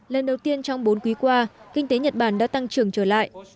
lần đầu tiên trong bốn quý qua kinh tế nhật bản đã tăng trưởng trở lại